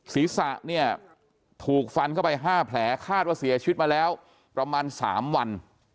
ศีรษะเนี่ยถูกฟันเข้าไป๕แผลคาดว่าเสียชีวิตมาแล้วประมาณ๓วัน